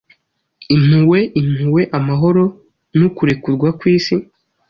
Impuhwe, Impuhwe, Amahoro Nukurekurwa kwisi.'